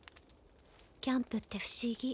キャンプって不思議。